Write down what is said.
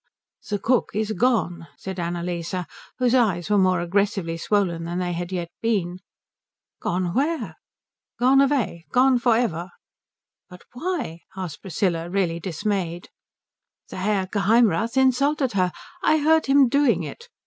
"The cook is gone," said Annalise, whose eyes were more aggressively swollen than they had yet been. "Gone where?" "Gone away. Gone for ever." "But why?" asked Priscilla, really dismayed. "The Herr Geheimrath insulted her. I heard him doing it.